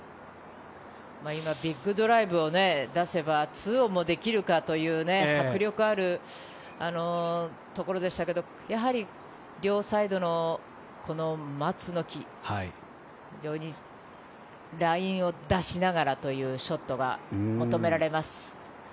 今ビッグドライブを出せば、２オンもできるかという迫力あるところでしたけれど、やはり両サイドのこの松の木、非常にラインを出しながらというショットが求められます。